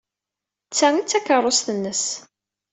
D ta ay d takeṛṛust-nnes.